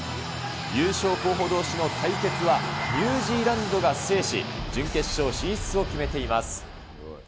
優勝候補どうしの対決は、ニュージーランドが制し、準決勝進出を決めています。